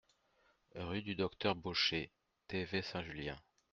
Rue du Docteur Bauchet, Thevet-Saint-Julien